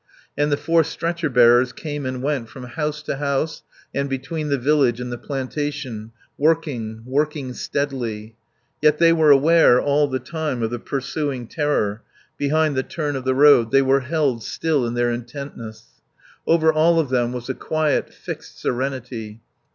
And the four stretcher bearers came and went, from house to house and between the village and the plantation, working, working steadily. Yet they were aware, all the time, of the pursuing terror, behind the turn of the road; they were held still in their intentness. Over all of them was a quiet, fixed serenity.